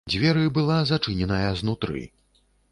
Дзверы была зачыненая знутры.